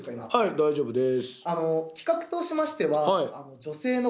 大丈夫です。